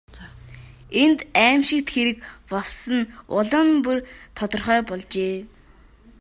Энд аймшигт хэрэг болсон нь улам бүр тодорхой болжээ.